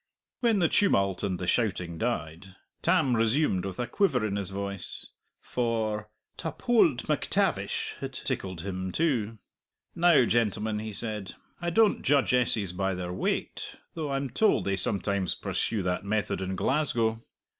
When the tumult and the shouting died, Tam resumed with a quiver in his voice, for "ta pold MacTavish" had tickled him too. "Now, gentlemen," he said, "I don't judge essays by their weight, though I'm told they sometimes pursue that method in Glasgow!"